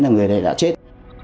là người này đã chết